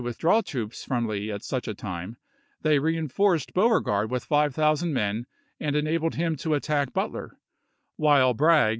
withdraw troops from Lee at such a time, they ..Battles reenforced Beam egard with five thousand men Lexers." and enabled him to attack Butler ; while Bragg pp.